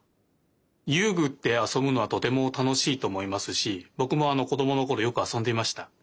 遊具ってあそぶのはとてもたのしいとおもいますしぼくもこどものころよくあそんでいました。